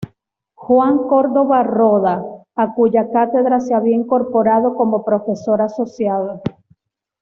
Juan Córdoba Roda, a cuya cátedra se había incorporado como profesor asociado.